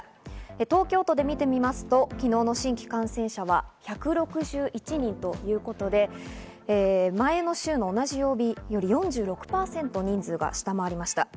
東京都で見てみますと昨日の新規感染者は１６１人ということで、前の週の同じ曜日より４６％、人数が下回りました。